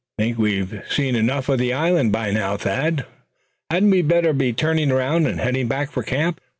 Think we've seen enough of the old island by now, Thad? Hadn't we better be turning around, and heading back for camp?"